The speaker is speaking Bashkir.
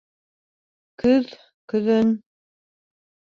Көҙ, көҙөн